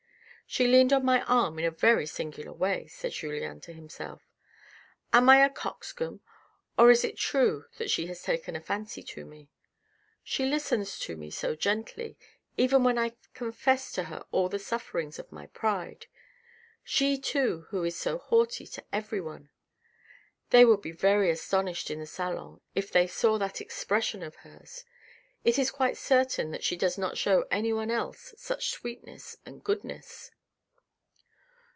" She leaned on my arm in a very singular way," said Julien to himself. " Am I a coxcomb, or is it true that she has taken a fancy to me ? She listens to me so gently, even when I confess to her all the sufferings of my pride ! She too, who is so haughty to everyone ! They would be very astonished in the salon if they saw that expression of hers. It is quite certain that she does not show anyone else such sweetness and goodness."